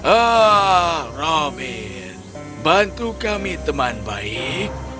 ah robin bantu kami teman baik